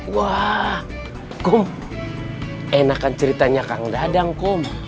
wah kum enak kan ceritanya kang dadang kum